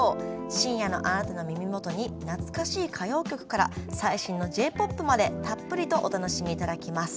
深夜のあなたの耳元に懐かしい歌謡曲から最新のＪ−ＰＯＰまでたっぷりとお楽しみ頂きます。